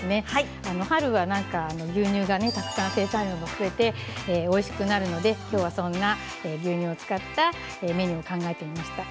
春は牛乳がたくさん生産量も増えておいしくなるのできょうはそんな牛乳を使ったメニューを考えてみました。